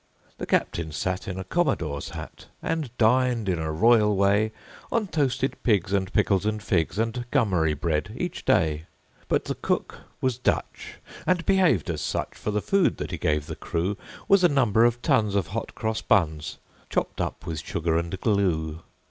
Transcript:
The captain sat in a commodore's hat And dined, in a royal way, On toasted pigs and pickles and figs And gummery bread, each day. But the cook was Dutch, and behaved as such; For the food that he gave the crew Was a number of tons of hot cross buns, Chopped up with sugar and glue.